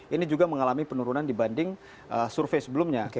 ini juga mengalami penurunan dibanding survei sebelumnya